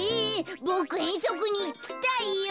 ボクえんそくにいきたいよ。